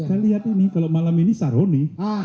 saya lihat ini kalau malam ini saroni